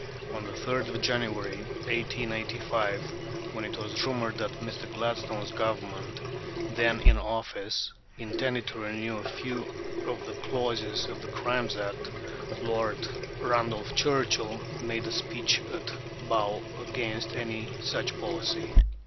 On the 3rd of January, 1885, when it was rumoured that Mr. Gladstone's Government, then in office, intended to renew a few of the clauses of the Crimes Act, Lord Randolph Churchill made a speech at Bow against any such policy.